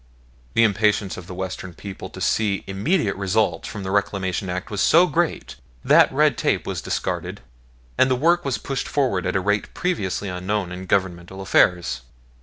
The impatience of the Western people to see immediate results from the Reclamation Act was so great that red tape was disregarded, and the work was pushed forward at a rate previously unknown in Government affairs.